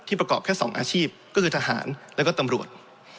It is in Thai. ประกอบแค่๒อาชีพก็คือทหารแล้วก็ตำรวจ